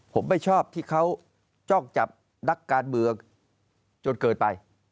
ผมไม่ชอบที่เขาจ้องจับนักการเมืองจนเกินไป